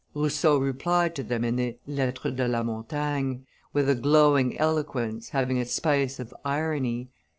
Rousseau replied to them in the Lettres de la Montagne, with a glowing eloquence having a spice of irony.